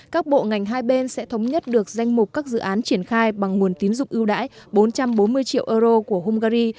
các bộ ngành hai bên sẽ thống nhất được danh mục các dự án triển khai bằng nguồn tín dụng ưu đãi bốn trăm bốn mươi triệu euro của hungary